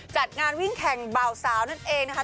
จัดงานวิ่งแข่งเบาสาวนั่นเองนะคะ